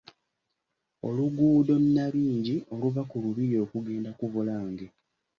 Oluguudo Nnabingi oluva ku lubiri okugenda ku Bulange .